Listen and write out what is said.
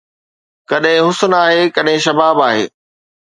ڪڏهن حسن آهي، ڪڏهن شباب آهي